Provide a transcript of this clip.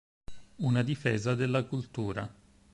Una difesa della cultura".